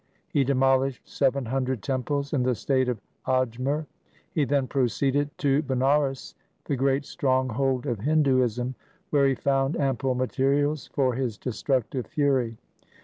He demolished seven hundred temples in the state of Ajmer. He then proceeded to Banaras, the great stronghold of Hinduism, where he found ample materials for his destructive fury.